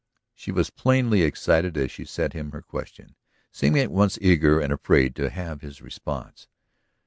She was plainly excited as she set him her question, seeming at once eager and afraid to have his response.